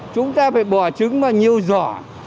chúng ta phải bỏ trứng vào nhiều giỏ